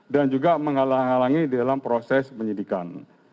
dan juga menghalangi dalam proses penyidikan